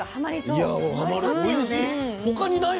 おいしい。